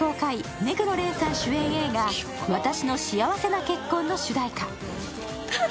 目黒蓮さん主演映画「わたしの幸せな結婚」の主題歌。